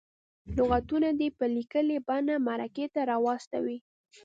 لغتونه دې په لیکلې بڼه مرکې ته راواستوي.